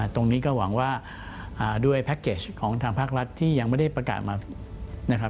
ตรงนี้ก็หวังว่าด้วยแพ็คเกจของทางภาครัฐที่ยังไม่ได้ประกาศมานะครับ